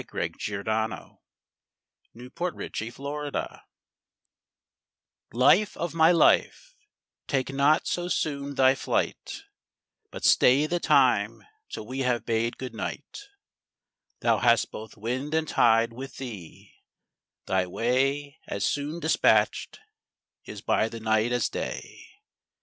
66. TO HIS DYING BROTHER, MASTER WILLIAM HERRICK Life of my life, take not so soon thy flight, But stay the time till we have bade good night. Thou hast both wind and tide with thee; thy way As soon dispatch'd is by the night as day.